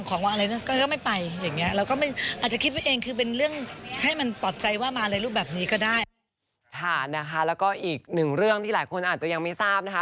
ก็อาจจะเป็นชนิดอื่นไป